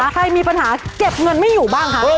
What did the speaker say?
ใครมีปัญหาเก็บเงินไม่อยู่บ้างคะ